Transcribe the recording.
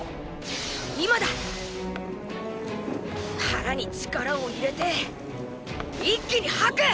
腹に力を入れて一気に吐く！